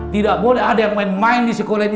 tidak boleh ada yang main main di sekolah ini